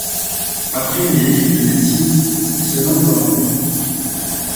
Après des études de médecine, il se lance dans la politique.